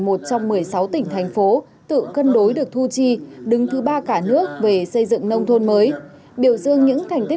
một trong một mươi sáu tỉnh thành phố tự cân đối được thu chi đứng thứ ba cả nước về xây dựng nông thôn mới biểu dương những thành tích